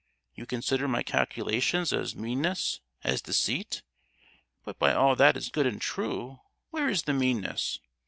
You consider my calculations as meanness, as deceit; but, by all that is good and true, where is the meanness?